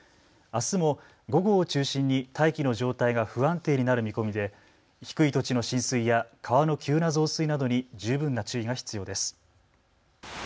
あすも午後を中心に大気の状態が不安定になる見込みで低い土地の浸水や川の急な増水などに十分な注意が必要です。